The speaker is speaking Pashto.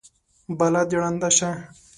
بلا دې ړنده شه!